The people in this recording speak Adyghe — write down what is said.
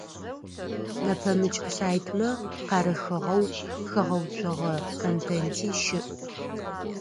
Нэпэмыкӏ сайтмэ къарыхыгъэу хэгъэуцогъэ контенти щыӏ.